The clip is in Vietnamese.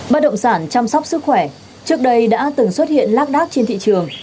bất động sản chăm sóc sức khỏe trước đây đã từng xuất hiện lác đác trên thị trường